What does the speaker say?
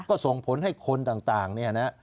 ก็ส่งผลให้คนต่างเนี่ยนะ